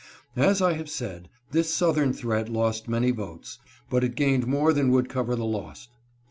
As I have said, this southern threat lost many votes, but it gained more than would cover the lost.